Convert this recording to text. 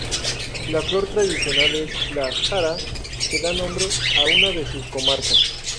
La flor tradicional es la jara, que da nombre a una de sus comarcas.